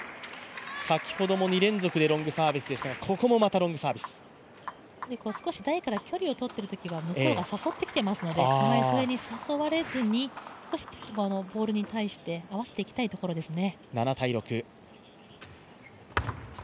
先ほども２連続でロングサービスでしたが、ここもまたロングサービス少し台から距離を取っているときは向こうが誘ってきてますのであまりそれに誘われずに、少しボールに対して合わせていきたいところですね。